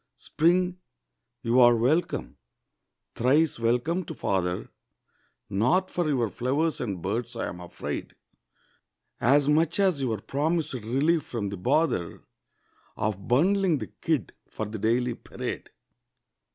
Spring, you are welcome, thrice welcome to father; Not for your flowers and birds, I'm afraid, As much as your promised relief from the bother Of bundling the kid for the daily parade.